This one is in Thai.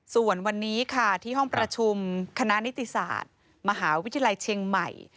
ส่วนวันนี้ค่ะที่ห้องประชุมคณะนิติศาสตร์มหาวิทยาลัยเชียงใหม่